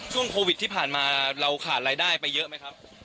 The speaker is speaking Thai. ช่วงโควิดที่ผ่านมาเราขาดรายได้ไปเยอะไหมครับ